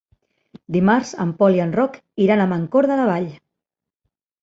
Dimarts en Pol i en Roc iran a Mancor de la Vall.